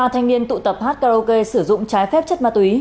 năm mươi ba thanh niên tụ tập hát karaoke sử dụng trái phép chất ma túy